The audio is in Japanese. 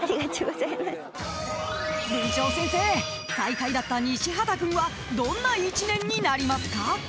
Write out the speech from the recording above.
［文鳥先生最下位だった西畑君はどんな一年になりますか？］